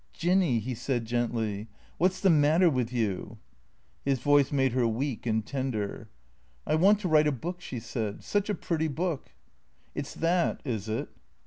" Jinny," he said gently, " what 's the matter with you ?" His voice made her weak and tender. " I want to write a book," she said. " Such a pretty book." "It's that, is it?"